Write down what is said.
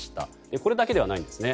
これだけではないんですね。